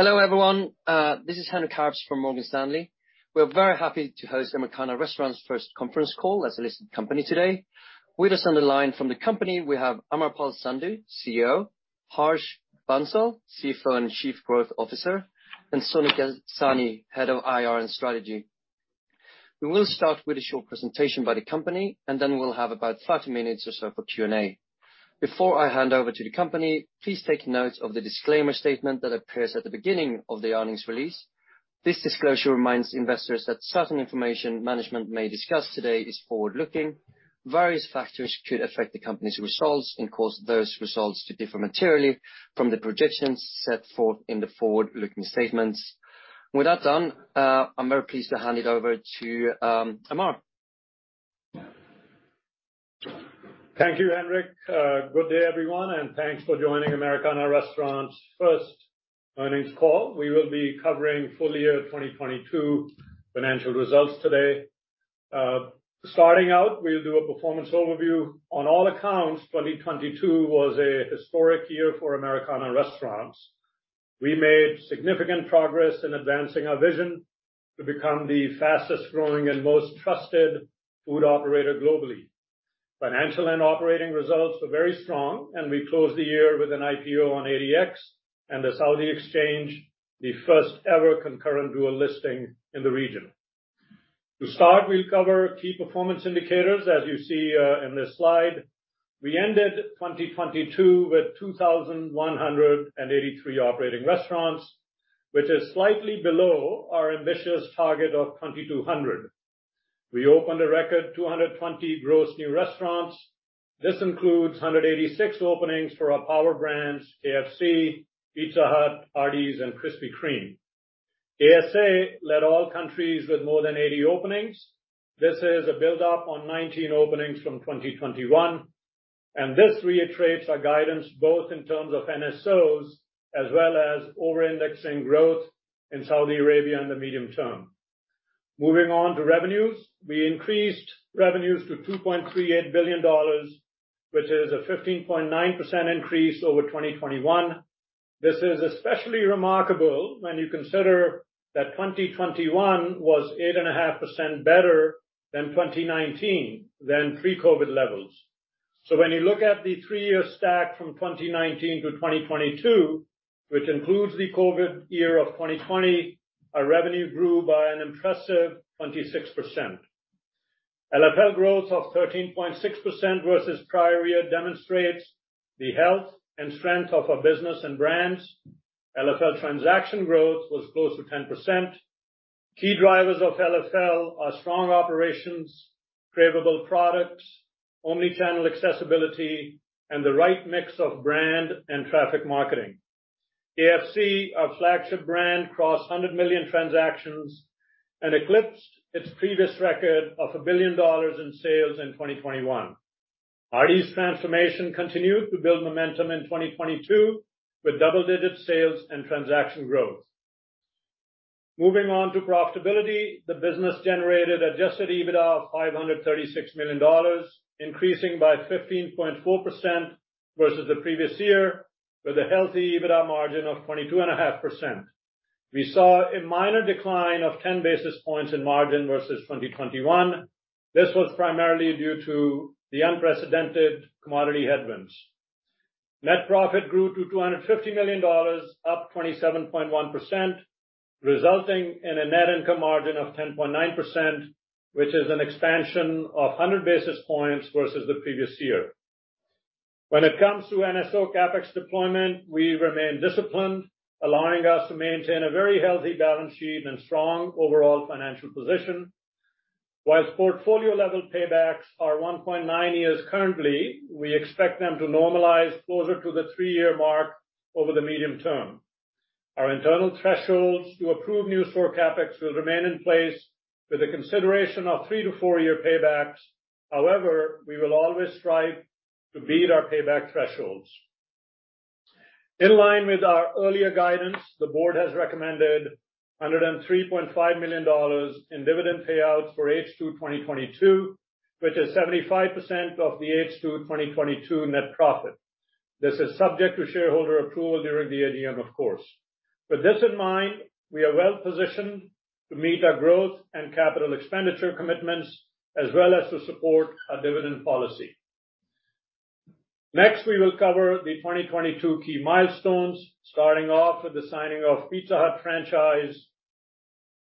Hello, everyone. This is Henrik Herbst from Morgan Stanley. We are very happy to host Americana Restaurants' first conference call as a listed company today. With us on the line from the company, we have Amarpal Sandhu, CEO; Harsh Bansal, CFO and Chief Growth Officer; and Sonika Sahni, Head of IR and Strategy. We will start with a short presentation by the company, and then we'll have about 30 minutes or so for Q&A. Before I hand over to the company, please take note of the disclaimer statement that appears at the beginning of the earnings release. This disclosure reminds investors that certain information management may discuss today is forward-looking. Various factors could affect the company's results and cause those results to differ materially from the projections set forth in the forward-looking statements. With that done, I'm very pleased to hand it over to Amar. Thank you, Henrik. Good day, everyone, thanks for joining Americana Restaurants' first earnings call. We will be covering full year 2022 financial results today. Starting out, we'll do a performance overview. On all accounts, 2022 was a historic year for Americana Restaurants. We made significant progress in advancing our vision to become the fastest-growing and most trusted food operator globally. Financial and operating results were very strong, we closed the year with an IPO on ADX and the Saudi Exchange, the first ever concurrent dual listing in the region. To start, we'll cover key performance indicators. As you see, in this slide, we ended 2022 with 2,183 operating restaurants, which is slightly below our ambitious target of 2,200. We opened a record 220 gross new restaurants. This includes 186 openings for our power brands, KFC, Pizza Hut, Hardee's, and Krispy Kreme. KSA led all countries with more than 80 openings. This is a build-up on 19 openings from 2021. This reiterates our guidance, both in terms of NSOs as well as over-indexing growth in Saudi Arabia in the medium term. Moving on to revenues. We increased revenues to $2.38 billion, which is a 15.9% increase over 2021. This is especially remarkable when you consider that 2021 was 8.5% better than 2019 than pre-COVID levels. When you look at the three-year stack from 2019 to 2022, which includes the COVID year of 2020, our revenue grew by an impressive 26%. LFL growth of 13.6% versus prior year demonstrates the health and strength of our business and brands. LFL transaction growth was close to 10%. Key drivers of LFL are strong operations, cravable products, omni-channel accessibility, and the right mix of brand and traffic marketing. KFC, our flagship brand, crossed 100 million transactions and eclipsed its previous record of $1 billion in sales in 2021. Hardee's transformation continued to build momentum in 2022 with double-digit sales and transaction growth. Moving on to profitability. The business generated adjusted EBITDA of $536 million, increasing by 15.4% versus the previous year with a healthy EBITDA margin of 22.5%. We saw a minor decline of 10 basis points in margin versus 2021. This was primarily due to the unprecedented commodity headwinds. Net profit grew to $250 million, up 27.1%, resulting in a net income margin of 10.9%, which is an expansion of 100 basis points versus the previous year. When it comes to NSO CapEx deployment, we remain disciplined, allowing us to maintain a very healthy balance sheet and strong overall financial position. Whilst portfolio-level paybacks are 1.9 years currently, we expect them to normalize closer to the three-year mark over the medium term. Our internal thresholds to approve new store CapEx will remain in place with a consideration of three- to four-year paybacks. However, we will always strive to beat our payback thresholds. In line with our earlier guidance, the board has recommended $103.5 million in dividend payouts for H2 2022, which is 75% of the H2 2022 net profit. This is subject to shareholder approval during the AGM, of course. With this in mind, we are well-positioned to meet our growth and capital expenditure commitments, as well as to support our dividend policy. Next, we will cover the 2022 key milestones, starting off with the signing of Pizza Hut franchise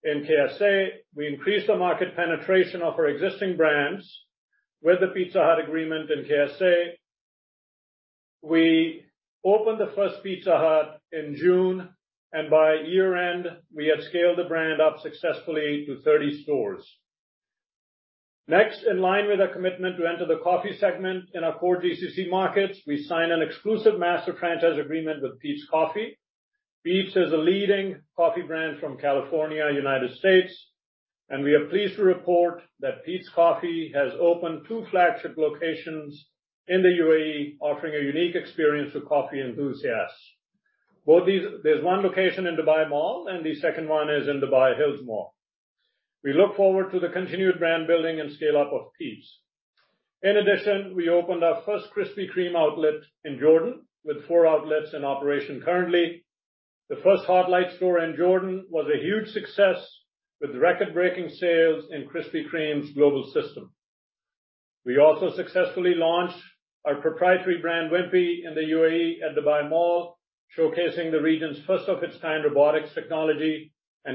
in KSA. We increased the market penetration of our existing brands with the Pizza Hut agreement in KSA. We opened the first Pizza Hut in June, and by year-end, we had scaled the brand up successfully to 30 stores. Next, in line with our commitment to enter the coffee segment in our core GCC markets, we signed an exclusive master franchise agreement with Peet's Coffee. Peet's is a leading coffee brand from California, United States, and we are pleased to report that Peet's Coffee has opened two flagship locations in the U.A.E., offering a unique experience for coffee enthusiasts. There's one location in Dubai Mall, and the second one is in Dubai Hills Mall. We look forward to the continued brand building and scale-up of Peet's. In addition, we opened our first Krispy Kreme outlet in Jordan with four outlets in operation currently. The first Hot Light store in Jordan was a huge success with record-breaking sales in Krispy Kreme's global system. We also successfully launched our proprietary brand Wimpy in the U.A.E. at Dubai Mall, showcasing the region's first of its kind robotics technology.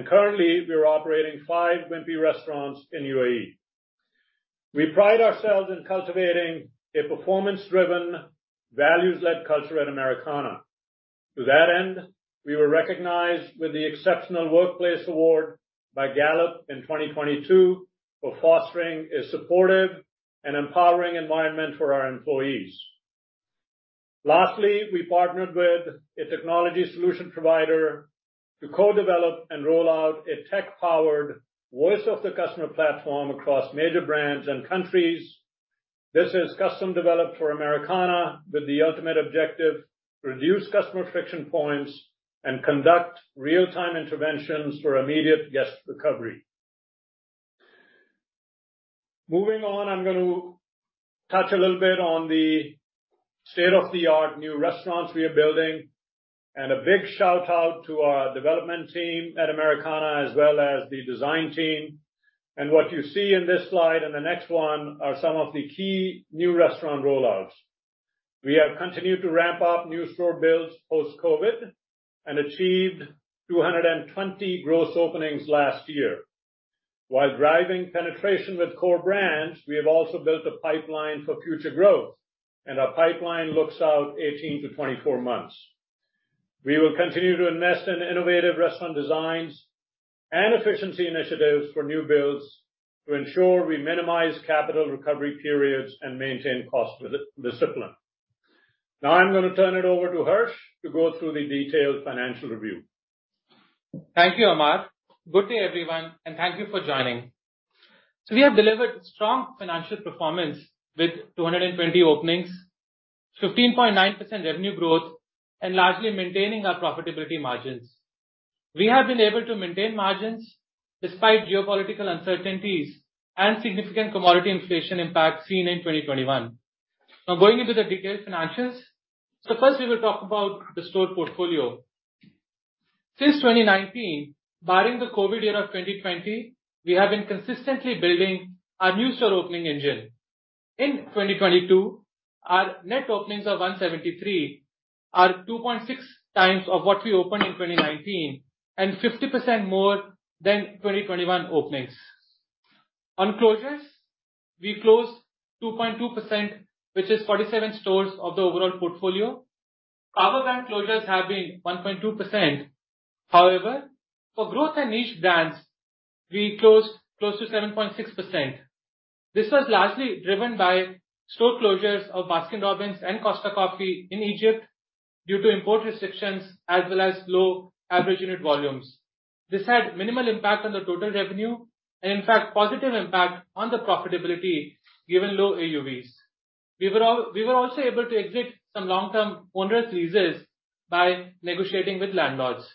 Currently, we are operating five Wimpy restaurants in U.A.E.. We pride ourselves in cultivating a performance-driven, values-led culture at Americana. To that end, we were recognized with the Exceptional Workplace Award by Gallup in 2022 for fostering a supportive and empowering environment for our employees. We partnered with a technology solution provider to co-develop and roll out a tech-powered Voice of the Customer platform across major brands and countries. This is custom developed for Americana with the ultimate objective, reduce customer friction points and conduct real-time interventions for immediate guest recovery. I'm going to touch a little bit on the state-of-the-art new restaurants we are building, and a big shout-out to our development team at Americana, as well as the design team. What you see in this slide and the next one are some of the key new restaurant rollouts. We have continued to ramp up new store builds post-COVID and achieved 220 gross openings last year. While driving penetration with core brands, we have also built a pipeline for future growth, and our pipeline looks out 18-24 months. We will continue to invest in innovative restaurant designs and efficiency initiatives for new builds to ensure we minimize capital recovery periods and maintain cost with discipline. I'm gonna turn it over to Harsh to go through the detailed financial review. Thank you, Amar. Good day, everyone, thank you for joining. We have delivered strong financial performance with 220 openings, 15.9% revenue growth, and largely maintaining our profitability margins. We have been able to maintain margins despite geopolitical uncertainties and significant commodity inflation impact seen in 2021. Now going into the detailed financials. First, we will talk about the store portfolio. Since 2019, barring the COVID year of 2020, we have been consistently building our new store opening engine. In 2022, our net openings of 173 are 2.6x of what we opened in 2019 and 50% more than 2021 openings. On closures, we closed 2.2%, which is 47 stores of the overall portfolio. Other than closures have been 1.2%. For growth and niche brands, we closed close to 7.6%. This was largely driven by store closures of Baskin-Robbins and Costa Coffee in Egypt due to import restrictions as well as low average unit volumes. This had minimal impact on the total revenue and in fact, positive impact on the profitability, given low AUVs. We were also able to exit some long-term onerous leases by negotiating with landlords.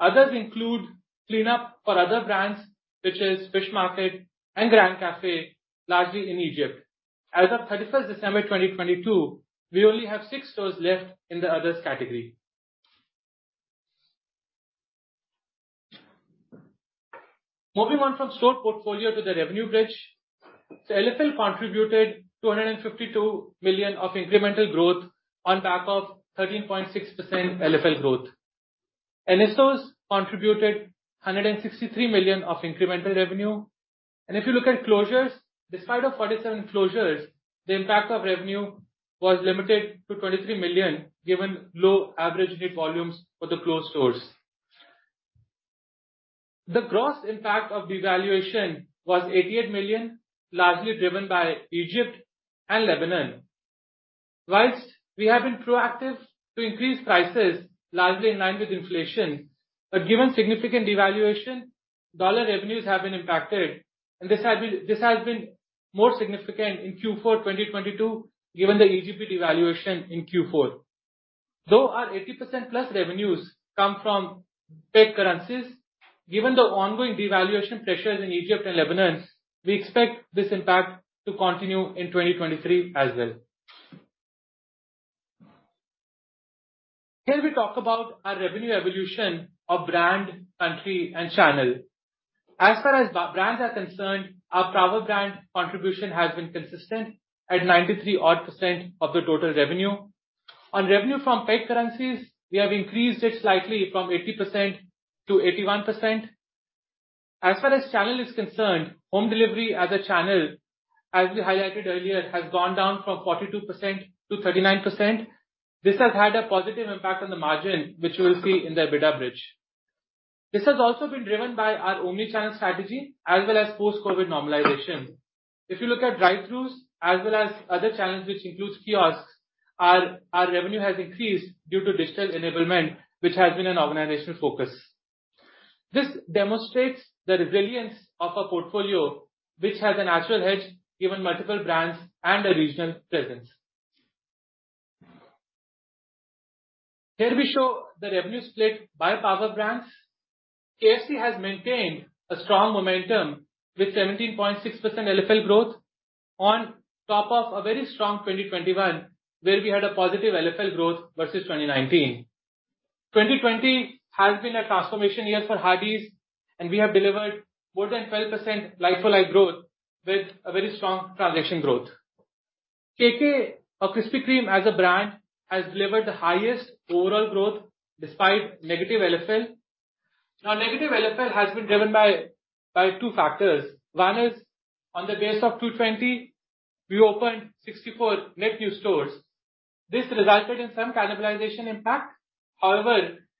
Others include cleanup for other brands, which is Fish Market and Grand Café, largely in Egypt. As of 31st December 2022, we only have six stores left in the others category. Moving on from store portfolio to the revenue bridge. LFL contributed $252 million of incremental growth on back of 13.6% LFL growth. NSOs contributed $163 million of incremental revenue. If you look at closures, despite 47 closures, the impact of revenue was limited to $23 million, given low AUVs for the closed stores. The gross impact of devaluation was $88 million, largely driven by Egypt and Lebanon. Whilst we have been proactive to increase prices largely in line with inflation, but given significant devaluation, dollar revenues have been impacted, and this has been more significant in Q4 2022, given the EGP devaluation in Q4. Though our 80%+ revenues come from pegged currencies, given the ongoing devaluation pressures in Egypt and Lebanon, we expect this impact to continue in 2023 as well. Here we talk about our revenue evolution of brand, country and channel. As far as brands are concerned, our travel brand contribution has been consistent at 93% odd of the total revenue. On revenue from pegged currencies, we have increased it slightly from 80% to 81%. As far as channel is concerned, home delivery as a channel, as we highlighted earlier, has gone down from 42% to 39%. This has had a positive impact on the margin, which we will see in the EBITDA bridge. This has also been driven by our omni-channel strategy as well as post-COVID normalization. If you look at drive-throughs as well as other channels which includes kiosks, our revenue has increased due to digital enablement, which has been an organizational focus. This demonstrates the resilience of our portfolio, which has a natural hedge, given multiple brands and a regional presence. Here we show the revenue split by power brands. KFC has maintained a strong momentum with 17.6% LFL growth on top of a very strong 2021, where we had a positive LFL growth versus 2019. 2020 has been a transformation year for Hardee's, we have delivered more than 12% like-for-like growth with a very strong transaction growth. Krispy Kreme as a brand has delivered the highest overall growth despite negative LFL. Negative LFL has been driven by two factors. One is on the base of 2020, we opened 64 net new stores. This resulted in some cannibalization impact. However,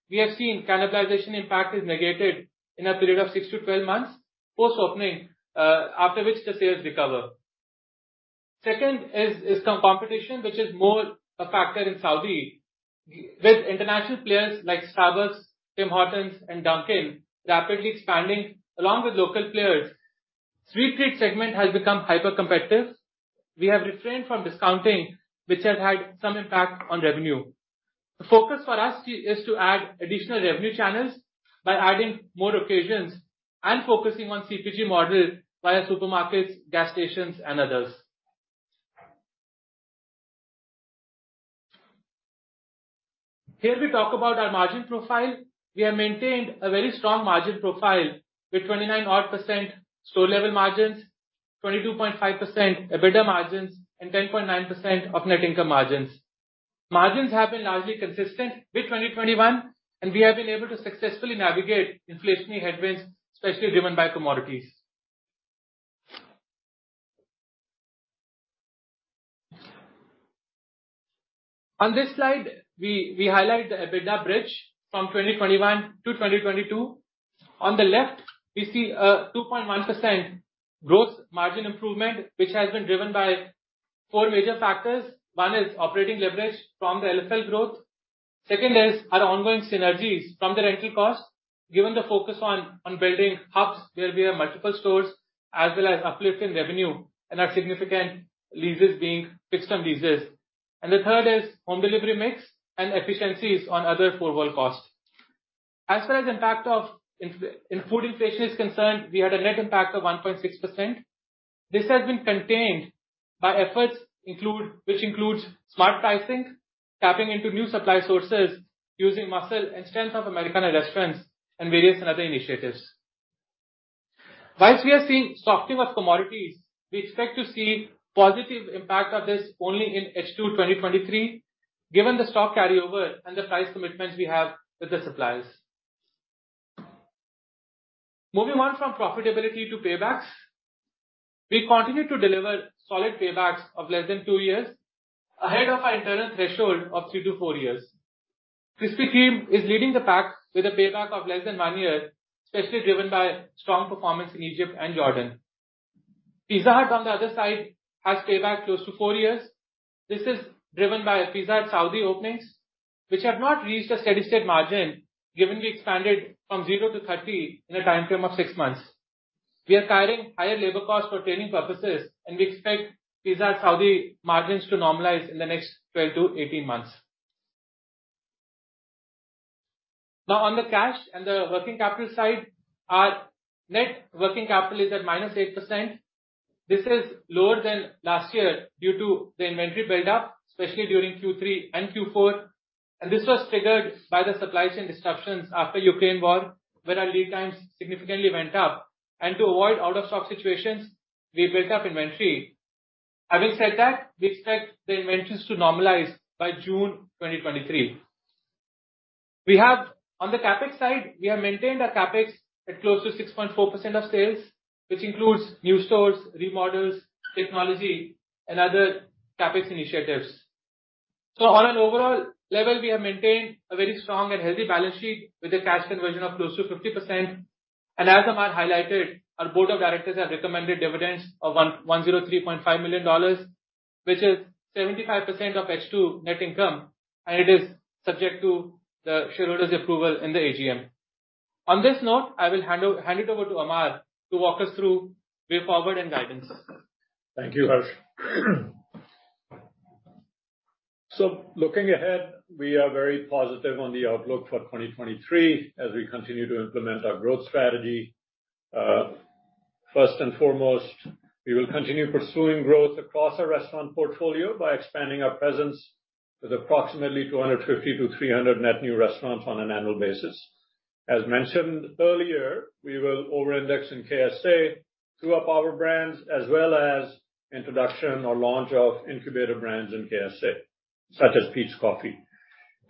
we have seen cannibalization impact is negated in a period of six to 12 months post-opening, after which the sales recover. Second is competition, which is more a factor in Saudi. With international players like Starbucks, Tim Hortons and Dunkin' rapidly expanding along with local players, sweet treat segment has become hyper competitive. We have refrained from discounting, which has had some impact on revenue. The focus for us is to add additional revenue channels by adding more occasions and focusing on CPG model via supermarkets, gas stations and others. Here we talk about our margin profile. We have maintained a very strong margin profile with 29% odd store level margins, 22.5% EBITDA margins, and 10.9% of net income margins. Margins have been largely consistent with 2021, and we have been able to successfully navigate inflationary headwinds, especially driven by commodities. On this slide, we highlight the EBITDA bridge from 2021 to 2022. On the left, we see a 2.1% growth margin improvement, which has been driven by four major factors. One is operating leverage from the LFL growth. Second is our ongoing synergies from the rental costs, given the focus on building hubs where we have multiple stores, as well as uplift in revenue and our significant leases being fixed term leases. The third is home delivery mix and efficiencies on other four-wall costs. As far as impact of food inflation is concerned, we had a net impact of 1.6%. This has been contained by efforts include, which includes smart pricing, tapping into new supply sources, using muscle and strength of Americana Restaurants and various other initiatives. Whilst we are seeing softening of commodities, we expect to see positive impact of this only in H2 2023, given the stock carryover and the price commitments we have with the suppliers. Moving on from profitability to paybacks. We continue to deliver solid paybacks of less than two years ahead of our internal threshold of three to four years. Krispy Kreme is leading the pack with a payback of less than one year, especially driven by strong performance in Egypt and Jordan. Pizza Hut on the other side, has payback close to four years. This is driven by Pizza Hut Saudi openings, which have not reached a steady-state margin, given we expanded from zero to 30 in a timeframe of six months. We are carrying higher labor costs for training purposes. We expect Pizza Hut Saudi margins to normalize in the next 12 to 18 months. Now on the cash and the working capital side, our net working capital is at -8%. This is lower than last year due to the inventory build-up, especially during Q3 and Q4, and this was triggered by the supply chain disruptions after Ukraine war, when our lead times significantly went up. To avoid out-of-stock situations, we built up inventory. Having said that, we expect the inventories to normalize by June 2023. On the CapEx side, we have maintained our CapEx at close to 6.4% of sales, which includes new stores, remodels, technology and other CapEx initiatives. On an overall level, we have maintained a very strong and healthy balance sheet with a cash conversion of close to 50%. As Amar highlighted, our Board of Directors have recommended dividends of $1,103.5 million, which is 75% of H2 net income, and it is subject to the shareholders' approval in the AGM. On this note, I will hand it over to Amar to walk us through way forward and guidance. Thank you, Harsh. Looking ahead, we are very positive on the outlook for 2023 as we continue to implement our growth strategy. First and foremost, we will continue pursuing growth across our restaurant portfolio by expanding our presence with approximately 250-300 net new restaurants on an annual basis. As mentioned earlier, we will over-index in KSA through our power brands as well as introduction or launch of incubator brands in KSA, such as Peet's Coffee.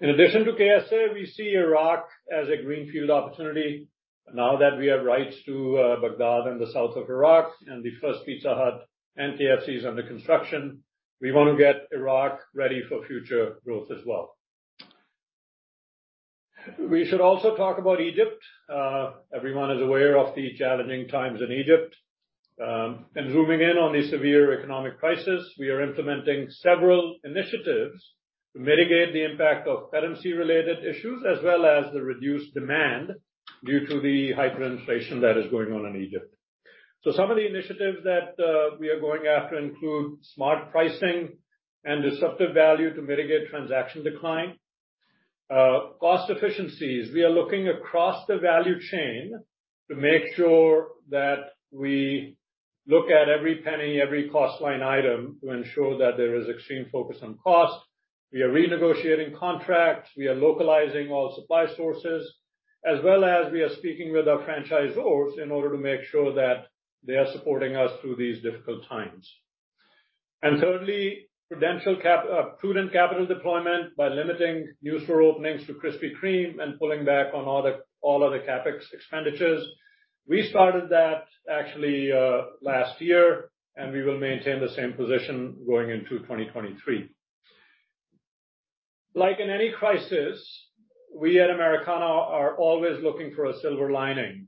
In addition to KSA, we see Iraq as a greenfield opportunity. Now that we have rights to Baghdad and the south of Iraq and the first Pizza Hut and KFC is under construction. We wanna get Iraq ready for future growth as well. We should also talk about Egypt. Everyone is aware of the challenging times in Egypt. Zooming in on the severe economic crisis, we are implementing several initiatives to mitigate the impact of currency related issues as well as the reduced demand due to the hyperinflation that is going on in Egypt. Some of the initiatives that we are going after include smart pricing and disruptive value to mitigate transaction decline. Cost efficiencies. We are looking across the value chain to make sure that we look at every penny, every cost line item to ensure that there is extreme focus on cost. We are renegotiating contracts. We are localizing all supply sources, as well as we are speaking with our franchisors in order to make sure that they are supporting us through these difficult times. Thirdly, prudent capital deployment by limiting new store openings to Krispy Kreme and pulling back on all of the CapEx expenditures. We started that actually, last year, and we will maintain the same position going into 2023. Like in any crisis, we at Americana are always looking for a silver lining,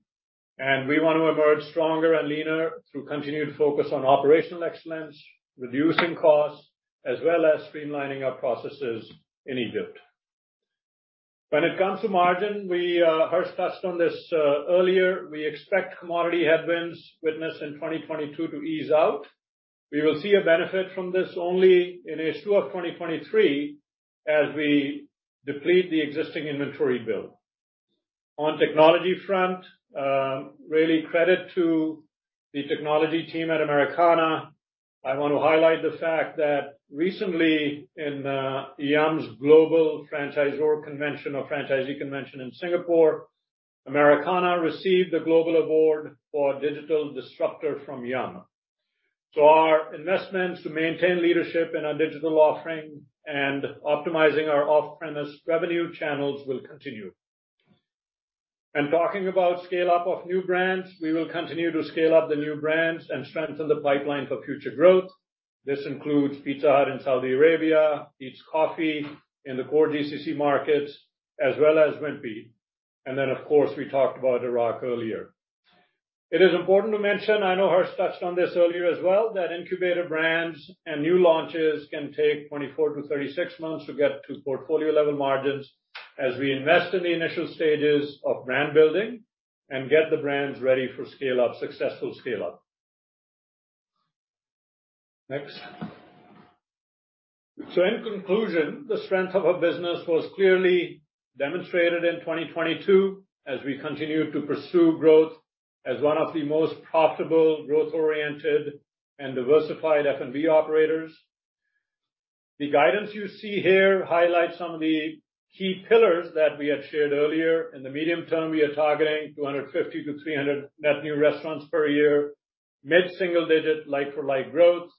and we wanna emerge stronger and leaner through continued focus on operational excellence, reducing costs, as well as streamlining our processes in Egypt. When it comes to margin, we, Harsh touched on this earlier. We expect commodity headwinds witnessed in 2022 to ease out. We will see a benefit from this only in H2 of 2023, as we deplete the existing inventory build. On technology front, really credit to the technology team at Americana. I want to highlight the fact that recently in, Yum!'s global franchisor convention or franchisee convention in Singapore, Americana received the global award for Digital Disruptor from Yum!. Our investments to maintain leadership in our digital offering and optimizing our off-premise revenue channels will continue. Talking about scale-up of new brands, we will continue to scale up the new brands and strengthen the pipeline for future growth. This includes Pizza Hut in Saudi Arabia, Peet's Coffee in the core GCC markets, as well as Wimpy. Of course, we talked about Iraq earlier. It is important to mention, I know Harsh touched on this earlier as well, that incubator brands and new launches can take 24 to 36 months to get to portfolio-level margins as we invest in the initial stages of brand building and get the brands ready for scale-up, successful scale-up. Next. In conclusion, the strength of our business was clearly demonstrated in 2022 as we continue to pursue growth as one of the most profitable, growth-oriented, and diversified F&B operators. The guidance you see here highlights some of the key pillars that we had shared earlier. In the medium term, we are targeting 250-300 net new restaurants per year, mid-single digit like-for-like growth,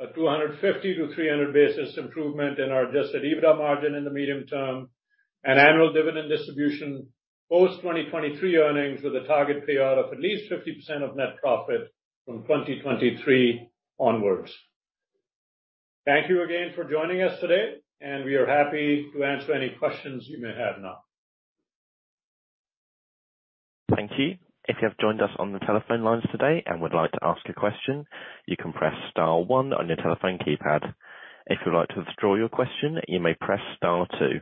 a 250-300 basis improvement in our adjusted EBITDA margin in the medium term, an annual dividend distribution post-2023 earnings with a target payout of at least 50% of net profit from 2023 onwards. Thank you again for joining us today. We are happy to answer any questions you may have now. Thank you. If you have joined us on the telephone lines today and would like to ask a question, you can press star one on your telephone keypad. If you'd like to withdraw your question, you may press star two.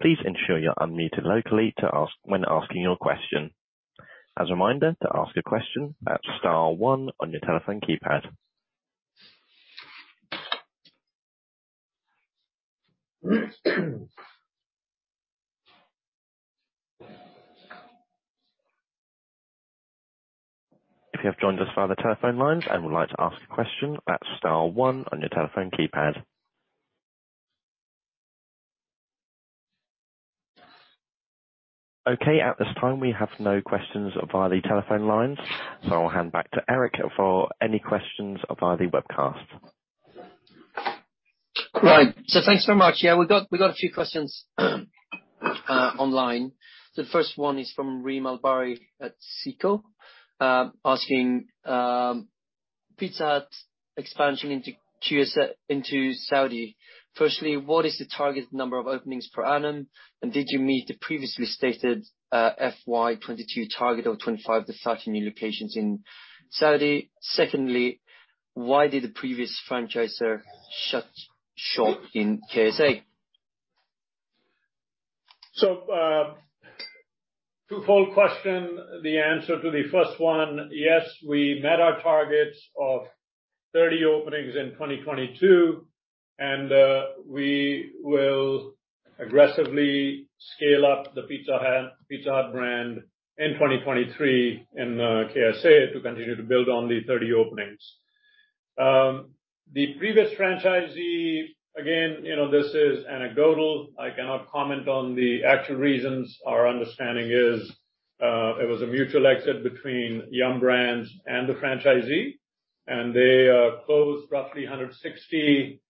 Please ensure you're unmuted locally to ask when asking your question. As a reminder, to ask a question, that's star one on your telephone keypad. If you have joined us via the telephone lines and would like to ask a question, that's star one on your telephone keypad. Okay. At this time, we have no questions via the telephone lines, so I'll hand back to Henrik for any questions via the webcast. Right. Thanks so much. Yeah, we got a few questions online. The first one is from Reem AlBarri at SICO, asking Pizza Hut's expansion into KSA into Saudi. Firstly, what is the target number of openings per annum, and did you meet the previously stated, FY 2022 target of 25-30 new locations in Saudi? Secondly, why did the previous franchisor shut shop in KSA? Twofold question. The answer to the first one, yes, we met our targets of 30 openings in 2022, and we will aggressively scale up the Pizza Hut brand in 2023 in KSA to continue to build on the 30 openings. The previous franchisee, again, you know, this is anecdotal, I cannot comment on the actual reasons. Our understanding is, it was a mutual exit between Yum! brands and the franchisee, and they closed roughly 160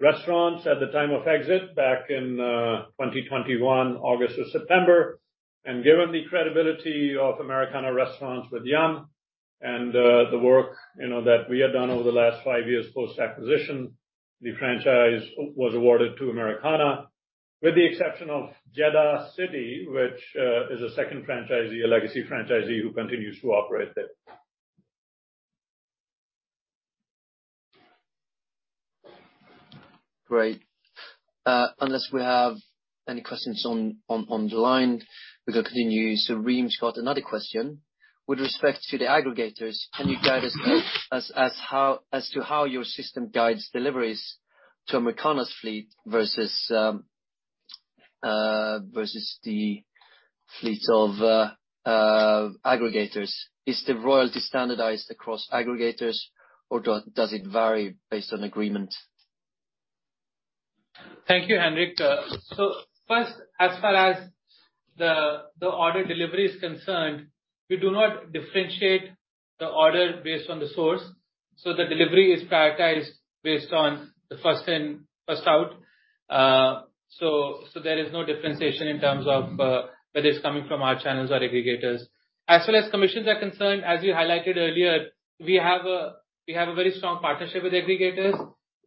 restaurants at the time of exit back in 2021, August to September. Given the credibility of Americana Restaurants with Yum! and the work, you know, that we have done over the last five years post-acquisition, the franchise was awarded to Americana, with the exception of Jeddah City, which is a second franchisee, a legacy franchisee who continues to operate there. Great. Unless we have any questions on the line, we can continue. Reem's got another question. With respect to the aggregators, can you guide us as to how your system guides deliveries to a Americana's fleet versus the fleets of aggregators? Is the royalty standardized across aggregators or does it vary based on agreement? Thank you, Henrik. First, as far as the order delivery is concerned, we do not differentiate the order based on the source. The delivery is prioritized based on the first in, first out. There is no differentiation in terms of whether it's coming from our channels or aggregators. As well as commissions are concerned, as we highlighted earlier, we have a very strong partnership with aggregators,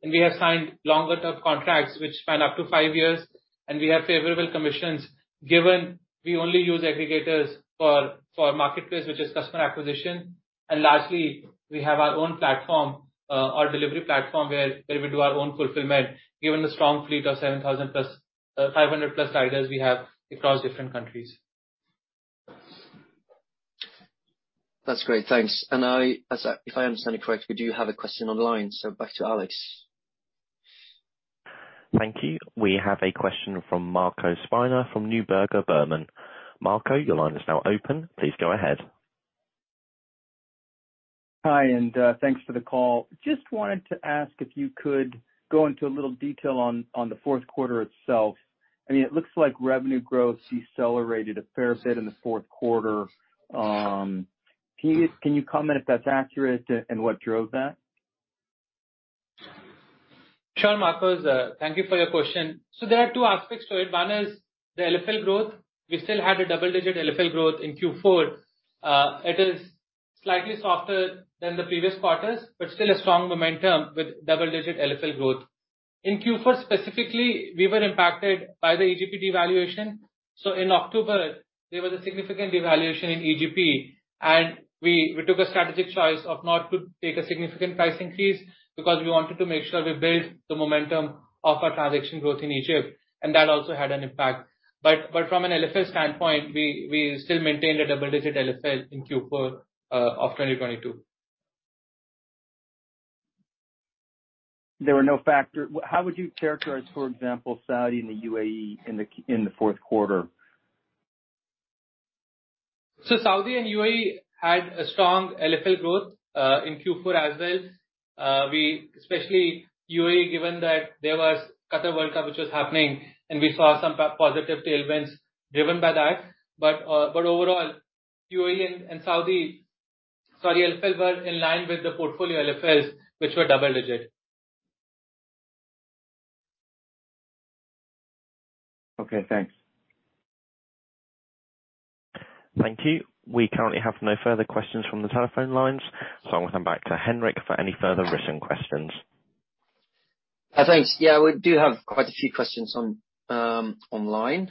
and we have signed longer-term contracts which span up to five years, and we have favorable commissions given we only use aggregators for marketplace, which is customer acquisition. Lastly, we have our own platform, our delivery platform where we do our own fulfillment given the strong fleet of 500+ riders we have across different countries. That's great. Thanks. If I understand it correctly, we do have a question on the line. Back to Alex. Thank you. We have a question from Marco Spinar from Neuberger Berman. Your line is now open. Please go ahead. Hi, thanks for the call. Just wanted to ask if you could go into a little detail on the fourth quarter itself. I mean, it looks like revenue growth decelerated a fair bit in the fourth quarter. Can you comment if that's accurate and what drove that? Sure, Marco. Thank you for your question. There are two aspects to it. One is the LFL growth. We still had a double-digit LFL growth in Q4. It is slightly softer than the previous quarters, but still a strong momentum with double-digit LFL growth. In Q4 specifically, we were impacted by the EGP devaluation. In October, there was a significant devaluation in EGP, and we took a strategic choice of not to take a significant price increase because we wanted to make sure we build the momentum of our transaction growth in Egypt, and that also had an impact. From an LFL standpoint, we still maintained a double-digit LFL in Q4 of 2022. How would you characterize, for example, Saudi and the U.A.E. in the fourth quarter? Saudi and U.A.E. had a strong LFL growth in Q4 as well, especially U.A.E., given that there was Qatar World Cup which was happening, and we saw some positive tailwinds driven by that. Overall, U.A.E. and Saudi LFL were in line with the portfolio LFLs, which were double digit. Okay, thanks. Thank you. We currently have no further questions from the telephone lines, so I'll come back to Henrik for any further written questions. Thanks. Yeah, we do have quite a few questions on online.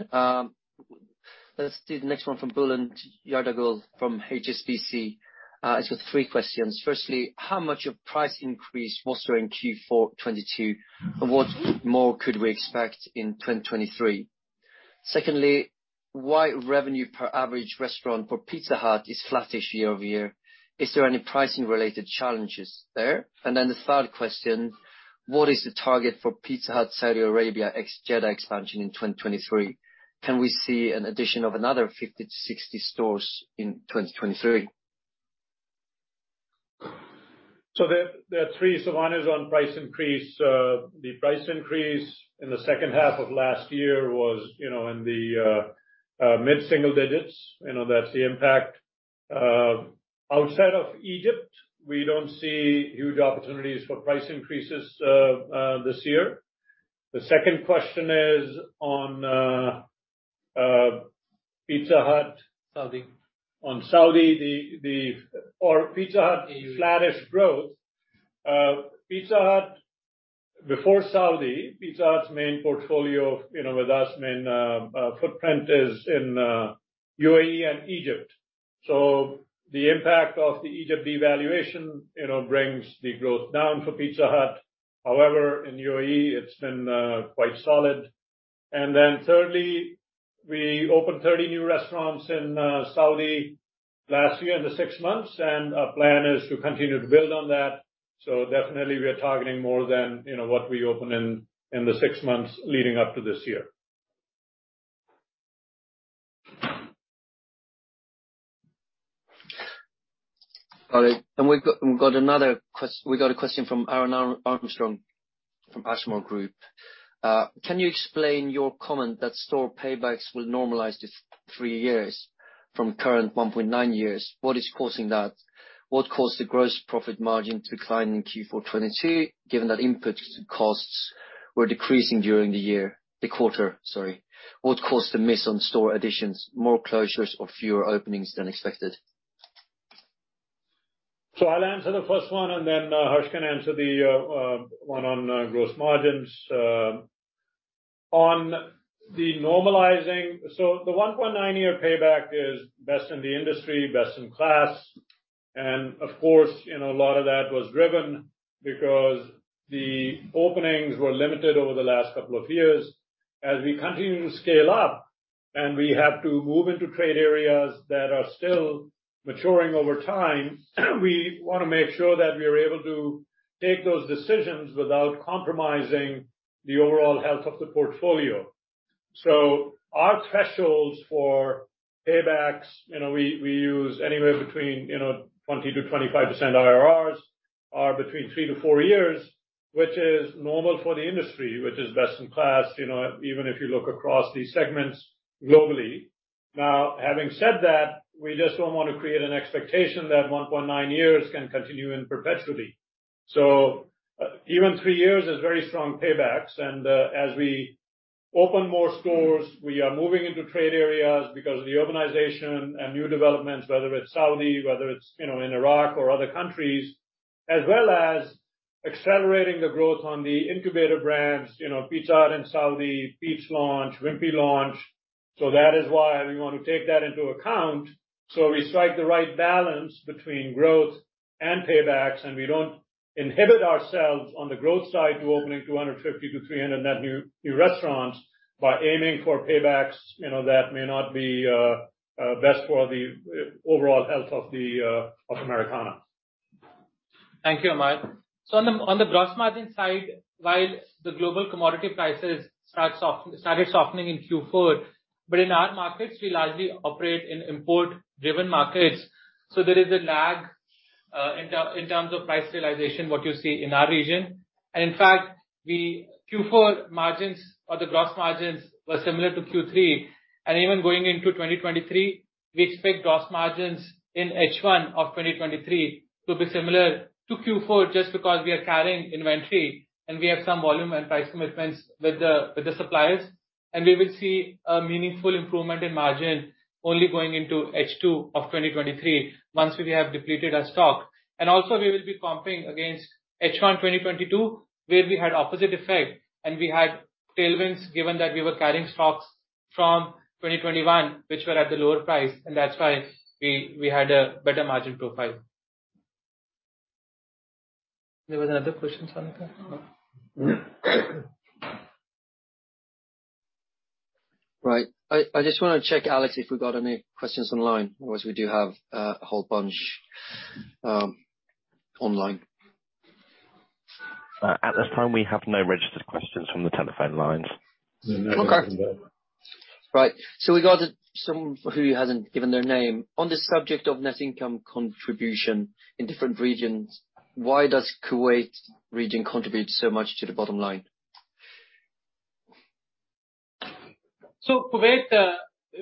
Let's do the next one from Bulent Yurdagul from HSBC. It's with three questions. Firstly, how much of price increase was there in Q4 2022, and what more could we expect in 2023? Secondly, why revenue per average restaurant for Pizza Hut is flattish year-over-year? Is there any pricing related challenges there? The third question, what is the target for Pizza Hut Saudi Arabia ex Jeddah expansion in 2023? Can we see an addition of another 50-60 stores in 2023? There are three. One is on price increase. The price increase in the second half of last year was, you know, in the mid-single digits. You know, that's the impact. Outside of Egypt, we don't see huge opportunities for price increases this year. The second question is on Pizza Hut- Saudi. On Saudi, or Pizza Hut flattish growth. Pizza Hut. Before Saudi, Pizza Hut's main portfolio, you know, with us main footprint is in U.A.E. and Egypt. The impact of the Egypt devaluation, you know, brings the growth down for Pizza Hut. However, in U.A.E., it's been quite solid. Thirdly, we opened 30 new restaurants in Saudi last year in the six months, and our plan is to continue to build on that. Definitely we are targeting more than, you know, what we opened in the six months leading up to this year. Got it. We've got another question from Aaron Armstrong from Ashmore Group. Can you explain your comment that store paybacks will normalize to three years from current 1.9 years? What is causing that? What caused the gross profit margin to decline in Q4 2022, given that input costs were decreasing during the year, the quarter, sorry? What caused the miss on store additions, more closures or fewer openings than expected? I'll answer the first one, and then Harsh can answer the one on gross margins. On the normalizing, the 1.9-year payback is best in the industry, best in class. Of course, you know, a lot of that was driven because the openings were limited over the last couple of years. As we continue to scale up and we have to move into trade areas that are still maturing over time, we wanna make sure that we are able to take those decisions without compromising the overall health of the portfolio. Our thresholds for paybacks, you know, we use anywhere between, you know, 20%-25% IRRs are between three to four years, which is normal for the industry, which is best in class, you know, even if you look across these segments globally. Having said that, we just don't want to create an expectation that 1.9 years can continue in perpetually. Even three years is very strong paybacks. As we open more stores, we are moving into trade areas because of the urbanization and new developments, whether it's Saudi, whether it's, you know, in Iraq or other countries, as well as accelerating the growth on the incubator brands, you know, Pizza Hut in Saudi, Peet's launch, Wimpy launch. That is why we want to take that into account, so we strike the right balance between growth and paybacks, and we don't inhibit ourselves on the growth side to opening 250-300 net new restaurants by aiming for paybacks, you know, that may not be best for the overall health of Americana. Thank you, Amar. On the gross margin side, while the global commodity prices started softening in Q4, in our markets we largely operate in import-driven markets, there is a lag in terms of price realization, what you see in our region. In fact, the Q4 margins or the gross margins were similar to Q3. Even going into 2023, we expect gross margins in H1 of 2023 to be similar to Q4 just because we are carrying inventory and we have some volume and price commitments with the suppliers. We will see a meaningful improvement in margin only going into H2 of 2023 once we have depleted our stock. Also we will be comping against H1 2022, where we had opposite effect and we had tailwinds given that we were carrying stocks from 2021, which were at the lower price and that's why we had a better margin profile. There was another question, Sonika? No. Right. I just wanna check, Alex, if we've got any questions online, otherwise we do have a whole bunch online. At this time, we have no registered questions from the telephone lines. Okay. Right. We got someone who hasn't given their name. On the subject of net income contribution in different regions, why does Kuwait region contribute so much to the bottom line? Kuwait,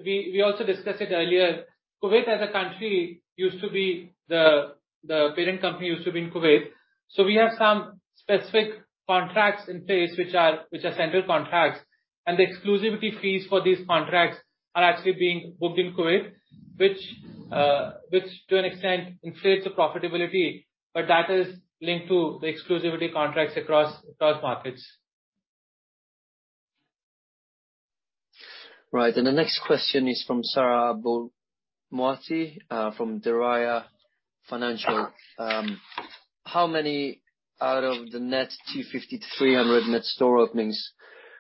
we also discussed it earlier. Kuwait as a country used to be the parent company used to be in Kuwait. We have some specific contracts in place which are central contracts. The exclusivity fees for these contracts are actually being booked in Kuwait, which to an extent inflates the profitability, but that is linked to the exclusivity contracts across those markets. Right. The next question is from Sara Abomoati, from Derayah Financial. How many out of the net 250-300 net store openings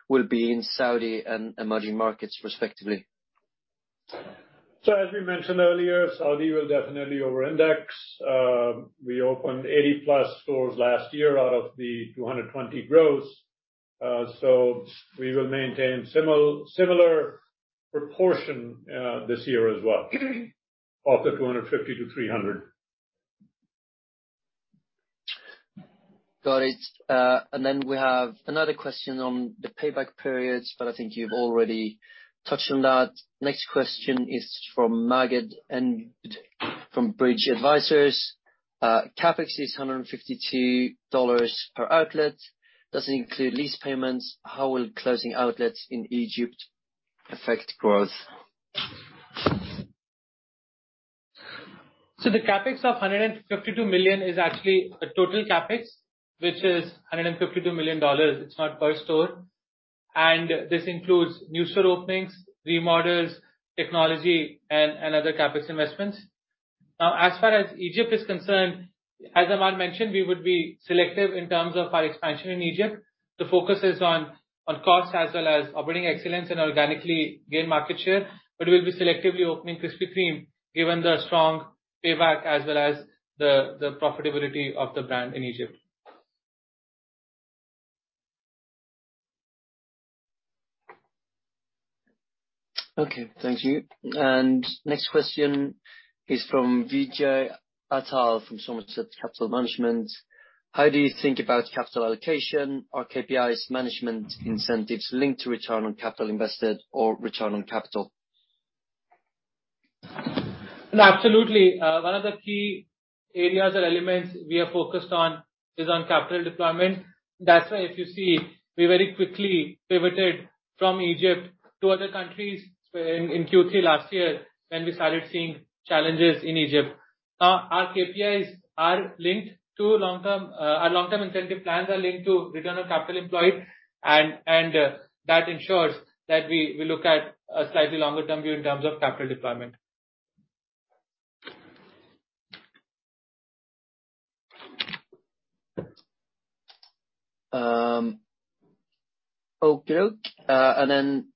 will be in Saudi and emerging markets, respectively? As we mentioned earlier, Saudi will definitely over-index. We opened 80+ stores last year out of the 220 gross. We will maintain similar proportion this year as well of the 250-300. Got it. We have another question on the payback periods, but I think you've already touched on that. Next question is from Maged from [Bridge Advisors]. CapEx is $152 per outlet. Does it include lease payments? How will closing outlets in Egypt affect growth? The CapEx of $152 million is actually a total CapEx, which is $152 million. It's not per store. This includes new store openings, remodels, technology and other CapEx investments. As far as Egypt is concerned, as Amar mentioned, we would be selective in terms of our expansion in Egypt. The focus is on cost as well as operating excellence and organically gain market share. We'll be selectively opening Krispy Kreme given the strong payback as well as the profitability of the brand in Egypt. Okay. Thank you. Next question is from Vijai Atal from Somerset Capital Management. How do you think about capital allocation? Are KPIs management incentives linked to return on capital invested or return on capital? Absolutely. One of the key areas or elements we are focused on is on capital deployment. That's why if you see, we very quickly pivoted from Egypt to other countries in Q3 last year when we started seeing challenges in Egypt. Our KPIs are linked to long-term, our long-term incentive plans are linked to return on capital employed, and that ensures that we look at a slightly longer term view in terms of capital deployment. Okay. Then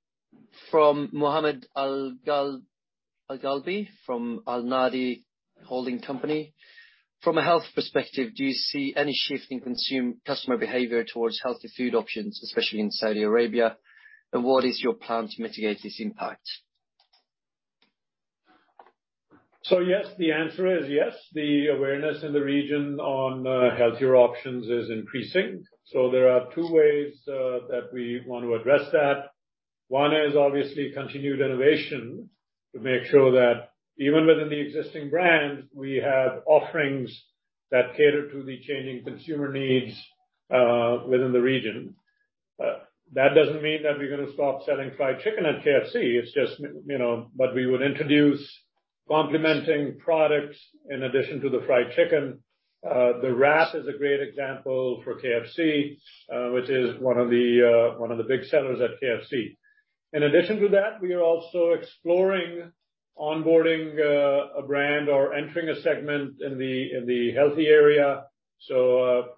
from Mohammed Al Ghamdi from Al Nahdi Holding Company. From a health perspective, do you see any shift in consume customer behavior towards healthier food options, especially in Saudi Arabia? What is your plan to mitigate this impact? Yes. The answer is yes. The awareness in the region on healthier options is increasing. There are two ways that we want to address that. One is obviously continued innovation to make sure that even within the existing brands, we have offerings that cater to the changing consumer needs within the region. That doesn't mean that we're gonna stop selling fried chicken at KFC. It's just, you know, but we would introduce complementing products in addition to the fried chicken. The wrap is a great example for KFC, which is one of the big sellers at KFC. In addition to that, we are also exploring onboarding a brand or entering a segment in the healthy area.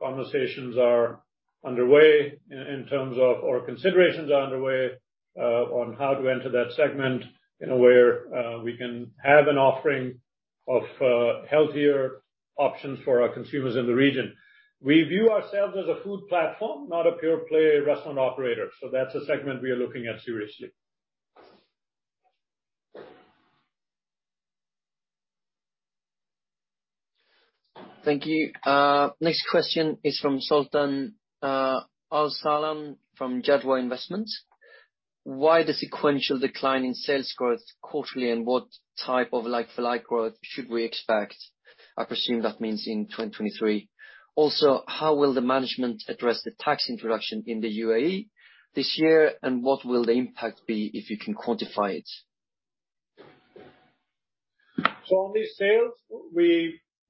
Conversations are underway in terms of... Considerations are underway, on how to enter that segment in a way, we can have an offering of healthier options for our consumers in the region. We view ourselves as a food platform, not a pure play restaurant operator. That's a segment we are looking at seriously. Thank you. Next question is from Sultan Al-Shaalan from Jadwa Investment. Why the sequential decline in sales growth quarterly, and what type of like-for-like growth should we expect? I presume that means in 2023. Also, how will the management address the tax introduction in the U.A.E. this year, and what will the impact be, if you can quantify it? On these sales,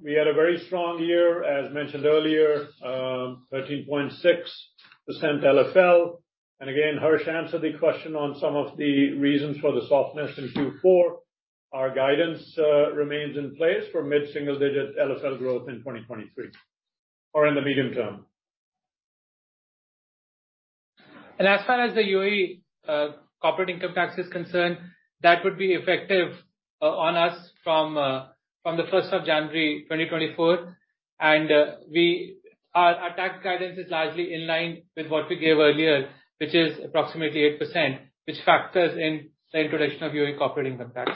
we had a very strong year, as mentioned earlier, 13.6% LFL. Again, Harsh answered the question on some of the reasons for the softness in Q4. Our guidance remains in place for mid-single digit LFL growth in 2023 or in the medium term. As far as the U.A.E. corporate income tax is concerned, that would be effective on us from the 1st of January, 2024. Our tax guidance is largely in line with what we gave earlier, which is approximately 8%, which factors in the introduction of U.A.E. corporate income tax.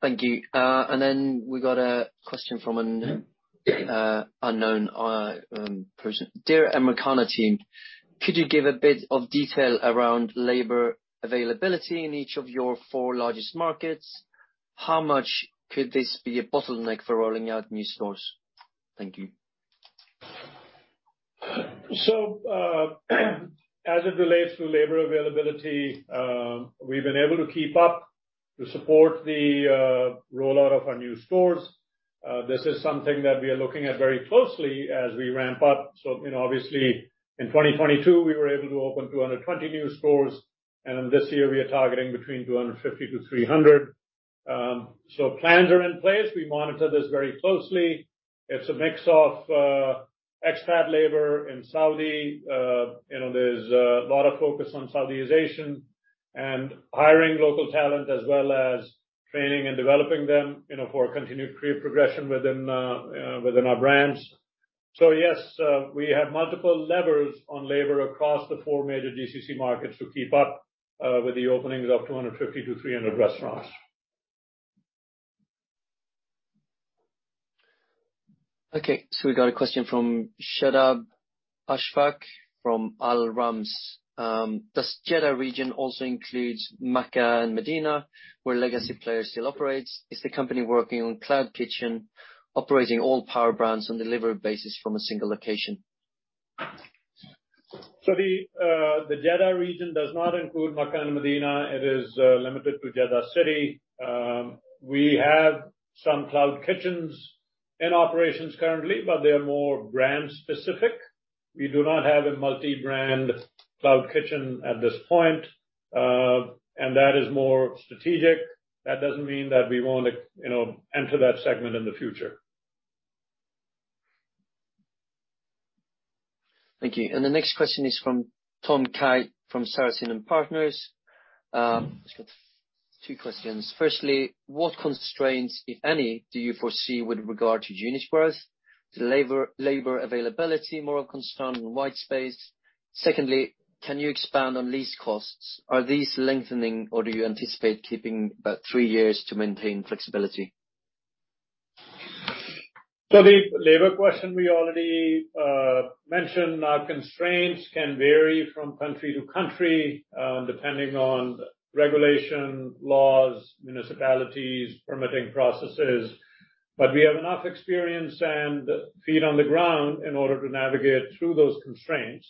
Thank you. We got a question from an unknown person. Dear Americana team, could you give a bit of detail around labor availability in each of your four largest markets? How much could this be a bottleneck for rolling out new stores? Thank you. As it relates to labor availability, we've been able to keep up to support the rollout of our new stores. This is something that we are looking at very closely as we ramp up. You know, obviously in 2022, we were able to open 220 new stores, and this year we are targeting between 250-300. Plans are in place. We monitor this very closely. It's a mix of expat labor in Saudi. You know, there's a lot of focus on Saudization and hiring local talent as well as training and developing them, you know, for continued career progression within our brands. Yes, we have multiple levers on labor across the four major GCC markets to keep up with the openings of 250-300 restaurants. Okay, we got a question from [Shoaib] Ashfaq from [Al Rams]. Does Jeddah region also include Makkah and Madinah, where legacy players still operate? Is the company working on cloud kitchen, operating all power brands on delivery basis from a single location? The Jeddah region does not include Makkah and Madinah. It is limited to Jeddah city. We have some cloud kitchens in operations currently, but they are more brand specific. We do not have a multi-brand cloud kitchen at this point. That is more strategic. That doesn't mean that we won't, you know, enter that segment in the future. Thank you. The next question is from Tom Kight from Sarasin & Partners. Just got two questions. Firstly, what constraints, if any, do you foresee with regard to units growth? Is labor availability more of a concern than white space? Secondly, can you expand on lease costs? Are these lengthening or do you anticipate keeping about three years to maintain flexibility? The labor question we already mentioned. Our constraints can vary from country to country, depending on regulation, laws, municipalities, permitting processes. We have enough experience and feet on the ground in order to navigate through those constraints.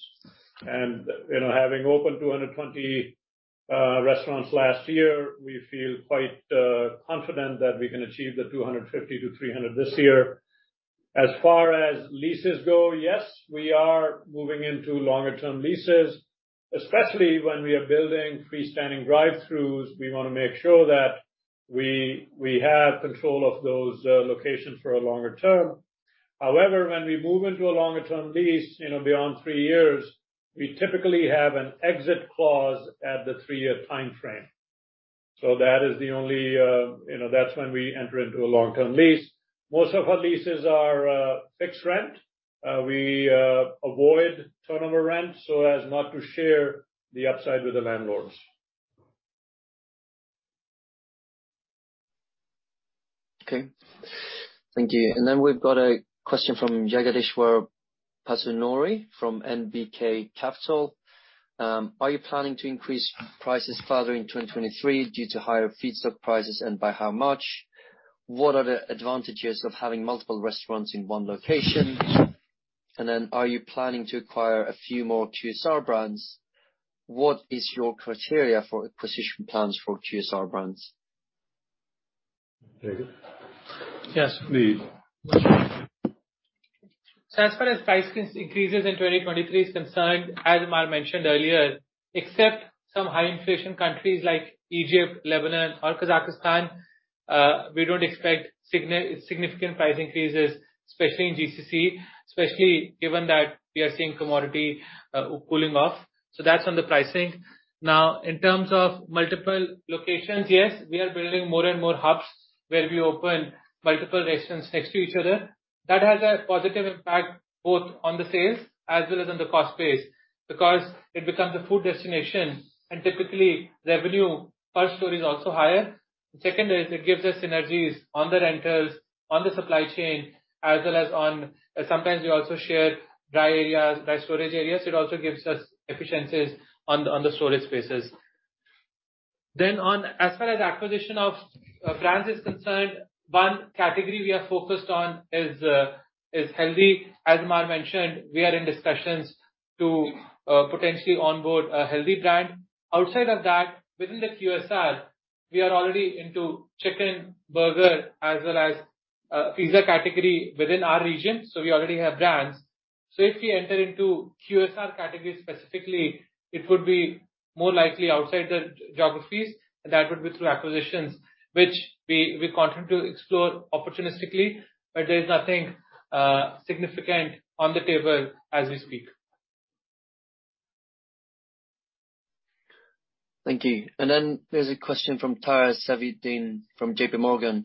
And, you know, having opened 220 restaurants last year, we feel quite confident that we can achieve the 250-300 this year. As far as leases go, yes, we are moving into longer term leases. Especially when we are building freestanding drive-throughs, we wanna make sure that we have control of those locations for a longer term. However, when we move into a longer-term lease, you know, beyond three years, we typically have an exit clause at the three-year timeframe. That's when we enter into a long-term lease. Most of our leases are fixed rent. We avoid turnover rent so as not to share the upside with the landlords. Okay. Thank you. We've got a question from Jagadishwar Pasunoori from NBK Capital. Are you planning to increase prices further in 2023 due to higher feedstock prices, and by how much? What are the advantages of having multiple restaurants in one location? Are you planning to acquire a few more QSR brands? What is your criteria for acquisition plans for QSR brands? Very good. Yes, please. As far as price increases in 2023 is concerned, as Amar mentioned earlier, except some high inflation countries like Egypt, Lebanon or Kazakhstan, we don't expect significant price increases, especially in GCC, especially given that we are seeing commodity cooling off. That's on the pricing. In terms of multiple locations, yes, we are building more and more hubs where we open multiple restaurants next to each other. That has a positive impact both on the sales as well as on the cost base, because it becomes a food destination and typically revenue per store is also higher. Secondarily, it gives us synergies on the rentals, on the supply chain, as well as on... Sometimes we also share dry areas, dry storage areas. It also gives us efficiencies on the, on the storage spaces. As far as acquisition of brands is concerned, one category we are focused on is healthy. As Amar mentioned, we are in discussions to potentially onboard a healthy brand. Outside of that, within the QSR, we are already into chicken burger as well as pizza category within our region, so we already have brands. If we enter into QSR category specifically, it would be more likely outside the geographies, and that would be through acquisitions, which we continue to explore opportunistically. There is nothing significant on the table as we speak. Thank you. There's a question from Taher Safieddine from JPMorgan.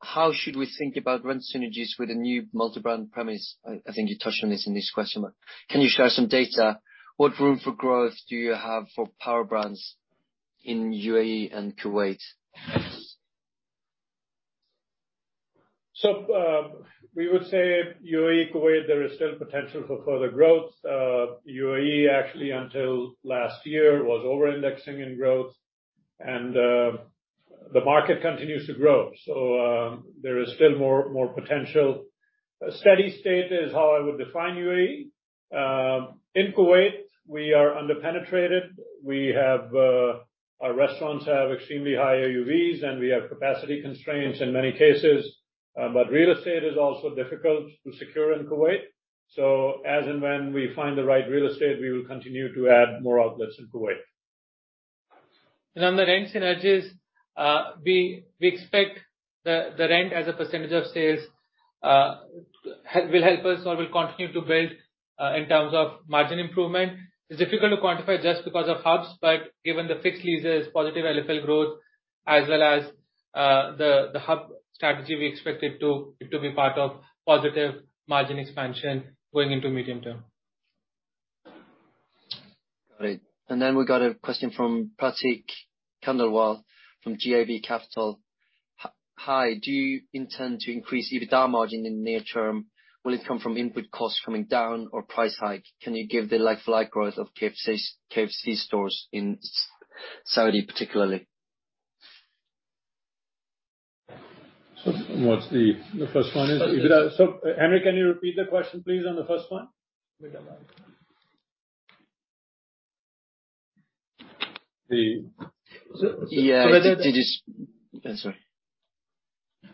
How should we think about rent synergies with a new multi-brand premise? I think you touched on this in this question, but can you share some data? What room for growth do you have for power brands in U.A.E. and Kuwait? We would say U.A.E., Kuwait, there is still potential for further growth. U.A.E. actually until last year was over-indexing in growth and the market continues to grow. There is still more potential. A steady state is how I would define U.A.E. In Kuwait, we are under-penetrated. We have. Our restaurants have extremely high AUVs, and we have capacity constraints in many cases, but real estate is also difficult to secure in Kuwait. As and when we find the right real estate, we will continue to add more outlets in Kuwait. On the rent synergies, we expect the rent as a percentage of sales will help us or will continue to build in terms of margin improvement. It's difficult to quantify just because of hubs, but given the fixed leases, positive LFL growth as well as the hub strategy, we expect it to be part of positive margin expansion going into medium term. Got it. We got a question from Prateek Khandelwal from JAV Capital. Hi. Do you intend to increase EBITDA margin in the near term? Will it come from input costs coming down or price hike? Can you give the like for like growth of KFC stores in Saudi particularly? What's, the first one is? EBITDA. Henrik, can you repeat the question please on the first one? We got that. The- Yeah, Sorry.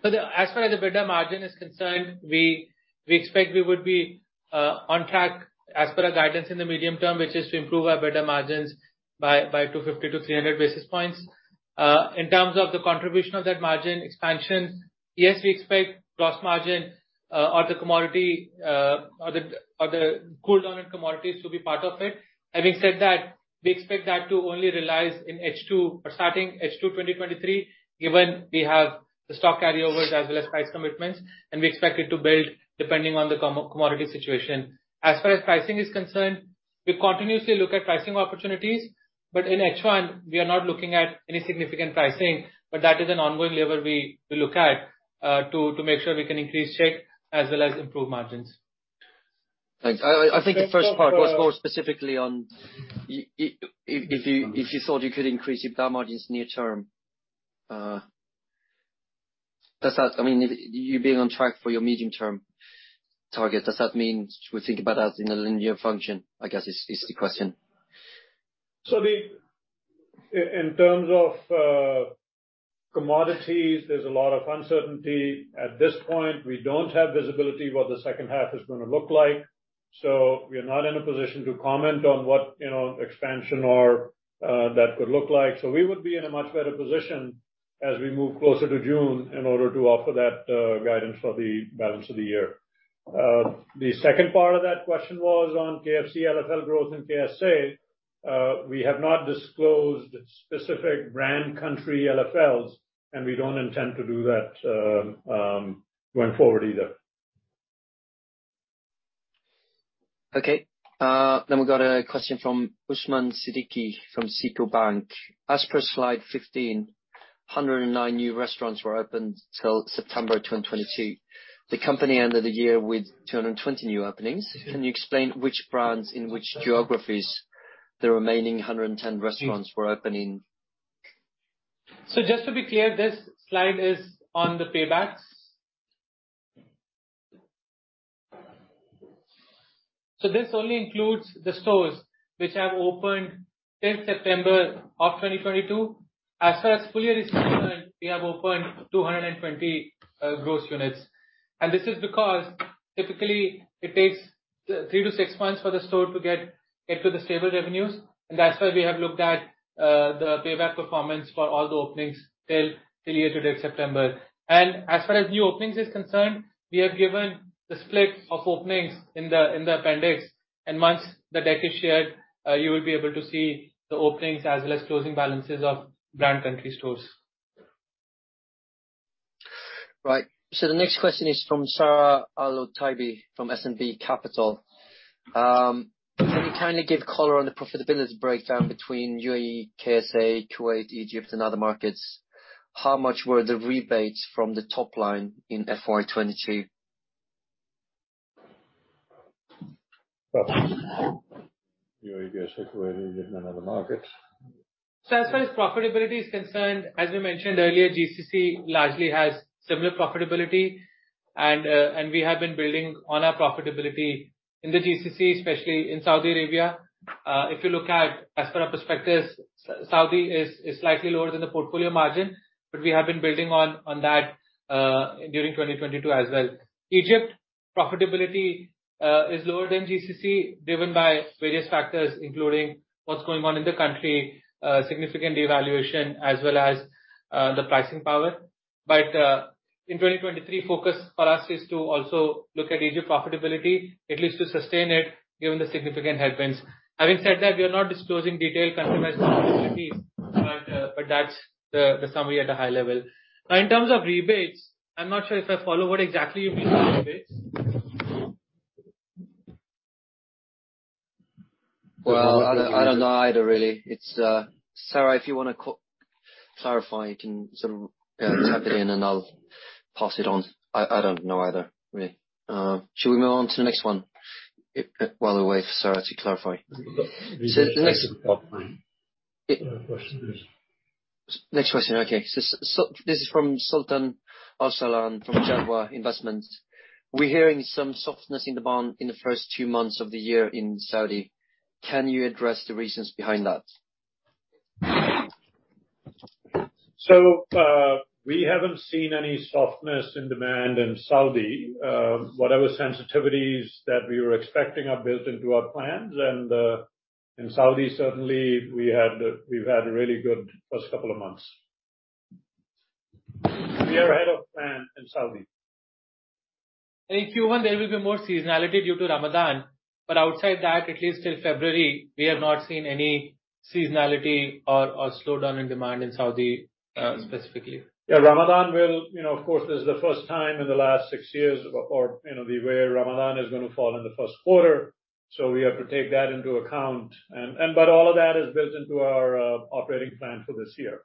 As far as the EBITDA margin is concerned, we expect we would be on track as per our guidance in the medium term, which is to improve our EBITDA margins by 250 to 300 basis points. In terms of the contribution of that margin expansion, yes, we expect gross margin, or the commodity, or the cool down in commodities to be part of it. Having said that, we expect that to only realize in H2 or starting H2 2023, given we have the stock carryovers as well as price commitments, and we expect it to build depending on the commodity situation. As far as pricing is concerned, we continuously look at pricing opportunities, but in H1 we are not looking at any significant pricing. That is an ongoing lever we look at, to make sure we can increase check as well as improve margins. Thank you. I think the first part was more specifically on if you thought you could increase EBITDA margins near term. I mean, you being on track for your medium-term target, does that mean we think about that in a linear function, I guess is the question. In terms of commodities, there's a lot of uncertainty. At this point, we don't have visibility what the second half is gonna look like. We are not in a position to comment on what, you know, expansion or that could look like. We would be in a much better position as we move closer to June in order to offer that guidance for the balance of the year. The second part of that question was on KFC LFL growth in KSA. We have not disclosed specific brand country LFLs, and we don't intend to do that going forward either. Okay. We've got a question from Usman Siddiqui from CIBC. As per slide 15, 109 new restaurants were opened till September 2022. The company ended the year with 220 new openings. Can you explain which brands in which geographies the remaining 110 restaurants were opening? Just to be clear, this slide is on the paybacks. This only includes the stores which have opened till September of 2022. As far as full year is concerned, we have opened 220 gross units. This is because typically it takes three to six months for the store to get to the stable revenues. That's why we have looked at the payback performance for all the openings till year to date September. As far as new openings is concerned, we have given the split of openings in the appendix. Once the deck is shared, you will be able to see the openings as well as closing balances of brand country stores. Right. The next question is from Sara AlOtaibi from SNB Capital. Can you kindly give color on the profitability breakdown between U.A.E., KSA, Kuwait, Egypt and other markets? How much were the rebates from the top line in FY 2022? U.A.E., Kuwait, Egypt and other markets. As far as profitability is concerned, as we mentioned earlier, GCC largely has similar profitability. And we have been building on our profitability in the GCC, especially in Saudi Arabia. If you look at as per our perspectives, Saudi is slightly lower than the portfolio margin, but we have been building on that during 2022 as well. Egypt profitability is lower than GCC, driven by various factors, including what's going on in the country, significant devaluation as well as the pricing power. In 2023, focus for us is to also look at Egypt profitability, at least to sustain it given the significant headwinds. Having said that, we are not disclosing detailed country-wise profitabilities, but that's the summary at a high level. In terms of rebates, I'm not sure if I follow what exactly you mean by rebates. Well, I don't know either really. It's Sara, if you wanna clarify, you can sort of type it in and I'll pass it on. I don't know either really. Shall we move on to the next one while we wait for Sara to clarify? Next question. Next question. This is from Sultan Al-Shaalan from Jadwa Investment. We're hearing some softness in demand in the first two months of the year in Saudi. Can you address the reasons behind that? We haven't seen any softness in demand in Saudi. Whatever sensitivities that we were expecting are built into our plans. In Saudi, certainly we've had a really good first couple of months. We are ahead of plan in Saudi. In Q1 there will be more seasonality due to Ramadan. Outside that, at least till February, we have not seen any seasonality or slowdown in demand in Saudi specifically. Yeah, Ramadan, you know, of course, this is the first time in the last six years or, you know, the way Ramadan is gonna fall in the first quarter, we have to take that into account. All of that is built into our operating plan for this year.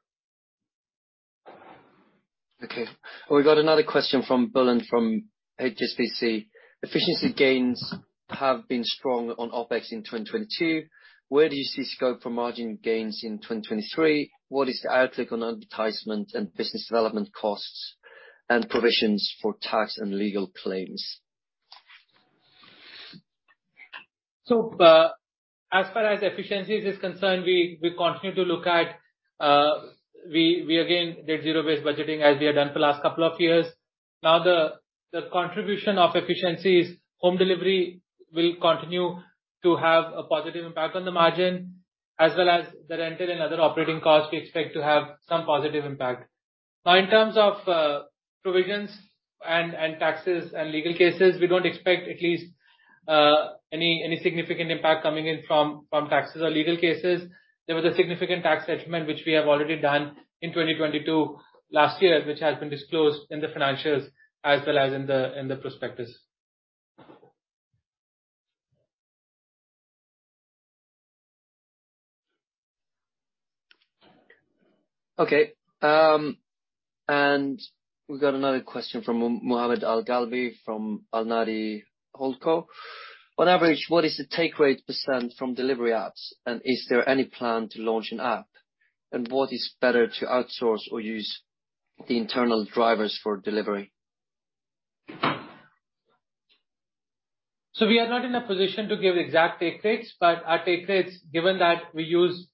Okay. We got another question from Bulent from HSBC. Efficiency gains have been strong on OpEx in 2022. Where do you see scope for margin gains in 2023? What is the outlook on advertisement and business development costs and provisions for tax and legal claims? As far as efficiencies is concerned, we continue to look at. We again did zero-based budgeting as we have done for the last couple of years. The contribution of efficiencies, home delivery will continue to have a positive impact on the margin, as well as the rental and other operating costs we expect to have some positive impact. In terms of provisions and taxes and legal cases, we don't expect at least any significant impact coming in from taxes or legal cases. There was a significant tax settlement which we have already done in 2022 last year, which has been disclosed in the financials as well as in the prospectus. Okay. We've got another question from Mohammed Al Habib from Al Habib Hold Co. On average, what is the take rate % from delivery apps? Is there any plan to launch an app? What is better to outsource or use the internal drivers for delivery? We are not in a position to give exact take rates, but our take rates, given that we use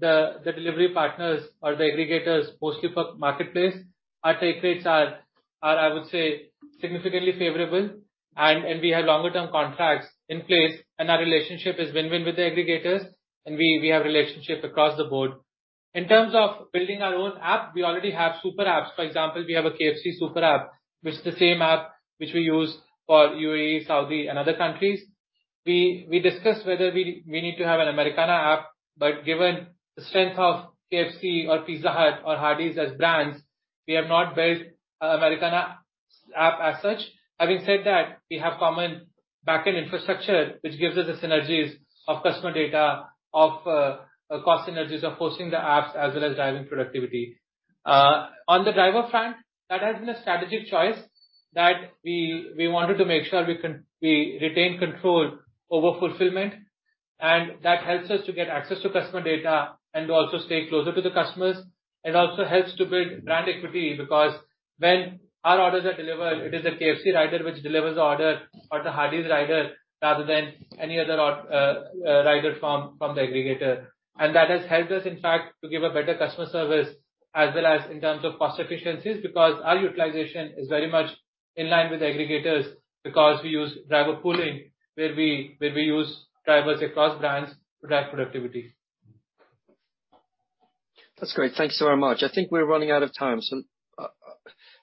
the delivery partners or the aggregators mostly for marketplace, our take rates are, I would say, significantly favorable. We have longer term contracts in place, and our relationship is win-win with the aggregators. We have relationships across the board. In terms of building our own app, we already have super apps. For example, we have a KFC super app, which is the same app which we use for U.A.E., Saudi and other countries. We discussed whether we need to have an Americana app, but given the strength of KFC or Pizza Hut or Hardee's as brands, we have not built Americana app as such. Having said that, we have common backend infrastructure which gives us the synergies of customer data, of cost synergies of hosting the apps, as well as driving productivity. On the driver front, that has been a strategic choice that we wanted to make sure we retain control over fulfillment, and that helps us to get access to customer data and also stay closer to the customers. It also helps to build brand equity, because when our orders are delivered, it is a KFC rider which delivers the order or the Hardee's rider rather than any other rider from the aggregator. That has helped us, in fact, to give a better customer service as well as in terms of cost efficiencies, because our utilization is very much in line with aggregators because we use driver pooling where we use drivers across brands to drive productivity. That's great. Thank you so very much. I think we're running out of time.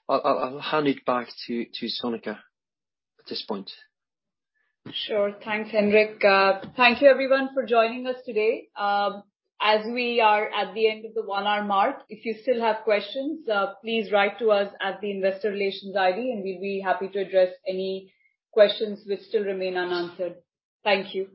I'll hand it back to Sonika at this point. Sure. Thanks, Henrik. Thank you everyone for joining us today. As we are at the end of the one-hour mark, if you still have questions, please write to us at the Investor Relations ID and we'll be happy to address any questions which still remain unanswered. Thank you.